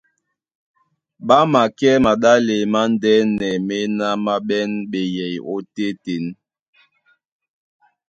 Ɓá makɛ́ maɗále mándɛ́nɛ, méná má ɓɛ́n ɓeyɛy ótétěn.